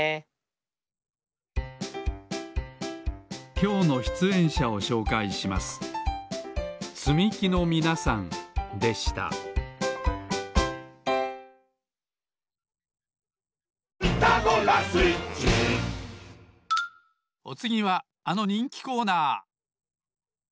きょうのしゅつえんしゃをしょうかいしますでしたおつぎはあのにんきコーナー！